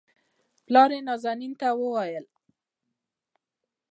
پلار يې نازنين ته وويل